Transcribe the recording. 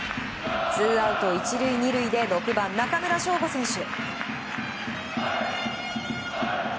ツーアウト１塁２塁で６番、中村奨吾選手。